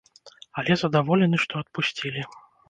Але задаволены, што адпусцілі.